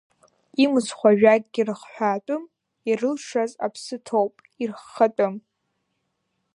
Имыцхәу ажәакгьы рыхҳәаатәым, ирылшаз аԥсы ҭоуп, ирххатәым.